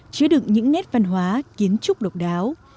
chứa đựng những nét văn hóa kiến trúc độc đáo